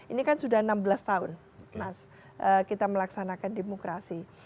ini kan sudah enam belas tahun mas kita melaksanakan demokrasi